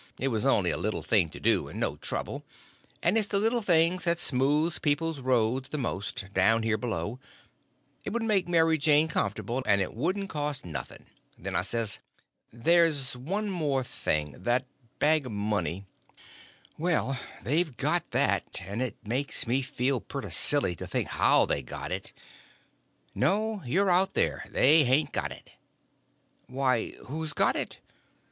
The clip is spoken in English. It was only a little thing to do, and no trouble; and it's the little things that smooths people's roads the most, down here below; it would make Mary Jane comfortable, and it wouldn't cost nothing. Then I says: "There's one more thing—that bag of money." "Well, they've got that; and it makes me feel pretty silly to think how they got it." "No, you're out, there. They hain't got it." "Why, who's got it?"